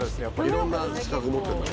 いろんな資格持ってるからね。